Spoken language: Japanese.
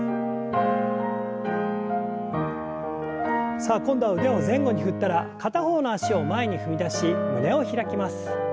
さあ今度は腕を前後に振ったら片方の脚を前に踏み出し胸を開きます。